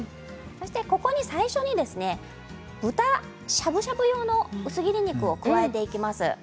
ここに最初に豚しゃぶしゃぶ用の薄切り肉を加えていきます。